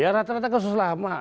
ya rata rata kasus lama